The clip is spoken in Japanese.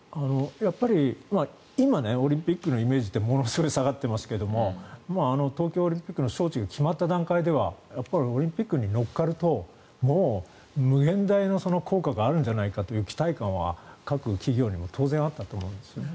やっぱり今、オリンピックのイメージってものすごく下がってますけど東京オリンピックの招致が決まった段階ではオリンピックに乗っかるともう無限大の効果があるんじゃないかという期待感は各企業に当然、あったと思うんですね。